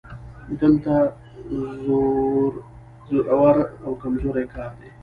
دلته زورور او کمزوری کار دی